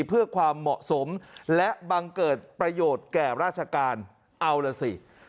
เพื่อความเหมาะสมและบังเกิดประโยชน์แก่ราชการเอาล่ะสิ